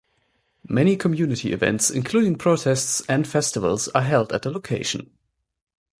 Many community events including protests and festivals are held at the location.